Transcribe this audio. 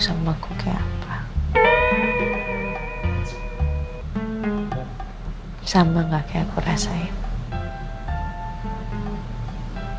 sama gak kayak aku rasain